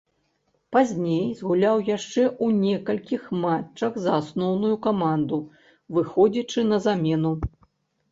Пазней згуляў яшчэ ў некалькіх матчах за асноўную каманду, выходзячы на замену.